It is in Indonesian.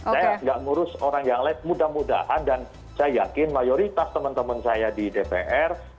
saya nggak ngurus orang yang lain mudah mudahan dan saya yakin mayoritas teman teman saya di dpr